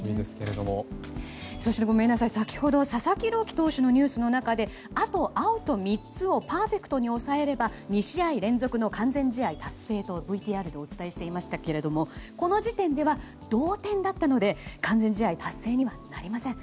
そして、先ほど佐々木朗希投手のニュースの中であとアウト３つをパーフェクトに抑えれば２試合連続の完全試合達成とＶＴＲでお伝えしていましたがこの時点では同点だったので完全試合達成にはなりません。